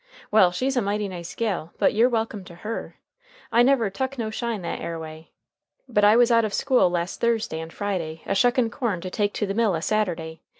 Well, she's a mighty nice gal, but you're welcome to her. I never tuck no shine that air way. But I was out of school last Thursday and Friday a shucking corn to take to mill a Saturday.